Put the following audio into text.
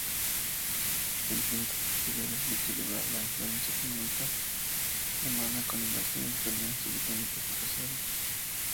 Intentos posteriores de equilibrar la influencia económica germana con inversiones italianas y británicas fracasaron.